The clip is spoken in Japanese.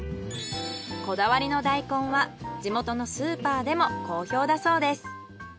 こだわりの大根は地元のスーパーでも好評だそうです。